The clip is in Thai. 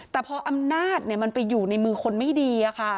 แต่พออำนาจมันไปอยู่ในมือคนไม่ดี